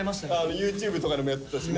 ＹｏｕＴｕｂｅとかでもやってたしね。